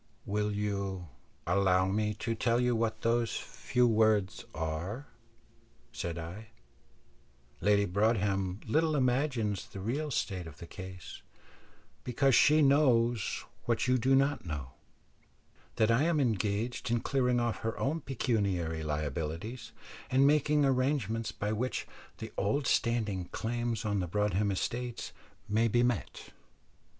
"Will you allow me to tell you what those few words are?" said I. "Lady Broadhem little imagines the real state of the case, because she knows what you do not know, that I am engaged in clearing off her own pecuniary liabilities, and making arrangements by which the old standing claims on the Broadhem estates may be met.